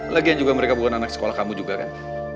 lagian juga mereka bukan anak sekolah kamu juga kan